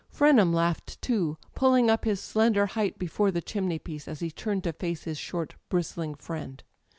Frenham laughed too, pulling up his slender height before the chimney piece as he turned to facJe his short bristling friend.